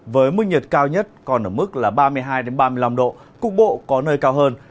với mức nhiệt cao nhất còn ở mức ba mươi hai ba mươi năm độ cục bộ có nơi cao hơn